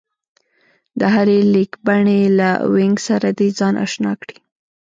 د هرې لیکبڼې له وينګ سره دې ځان اشنا کړي